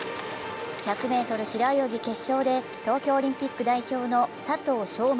１００ｍ平泳ぎ決勝で東京オリンピック代表の佐藤翔